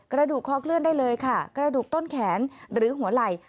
กระดูกคอเคลื่อนได้เลยค่ะกระดูกต้นแขนหรือหัวไหล่